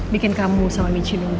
bikin kamu sama michi nunggu